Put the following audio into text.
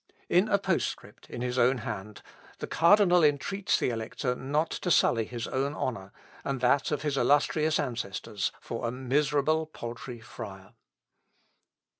In a postscript, in his own hand, the cardinal entreats the Elector not to sully his own honour, and that of his illustrious ancestors, for a miserable paltry friar.